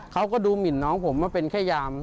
เขาก็ดูหมินน้องผมว่าเป็นแค่ยาม